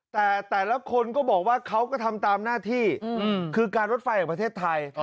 แต่แต่ละคนก็บอกว่าเขาก็ทำตามหน้าที่คือการรถไฟแห่งประเทศไทย